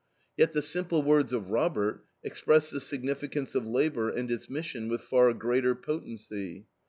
Yet the simple words of Robert express the significance of labor and its mission with far greater potency.